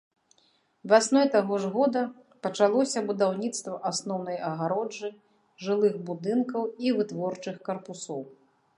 Вясной таго ж года пачалося будаўніцтва асноўнай агароджы, жылых будынкаў і вытворчых карпусоў.